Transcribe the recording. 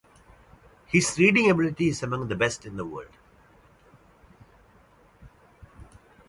His reading ability is among the best in the world.